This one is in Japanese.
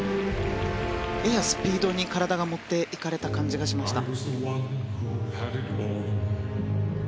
ややスピードに、体が持っていかれた感じがしました。